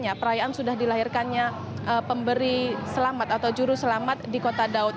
ya perayaan sudah dilahirkannya pemberi selamat atau juru selamat di kota daud